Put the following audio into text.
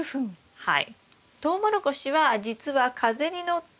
はい。